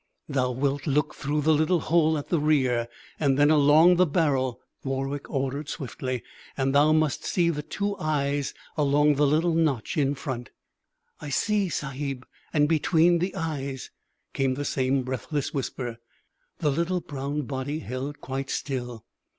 "Thou wilt look through the little hole at the rear and then along the barrel," Warwick ordered swiftly, "and thou must see the two eyes along the little notch in front." "I see, Sahib and between the eyes," came the same breathless whisper. The little brown body held quite still.